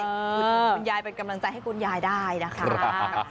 เออถูกถูกคุณยายเป็นกำลังใจให้คุณยายได้นะคะครับ